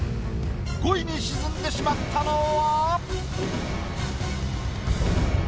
５位に沈んでしまったのは？